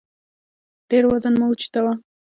ډېر وزن مه اوچتوه